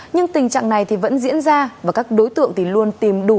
nhưng tình trạng này thì vẫn diễn ra và các đối tượng thì luôn tìm đủ